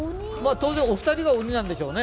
当然お二人が鬼なんでしょうね？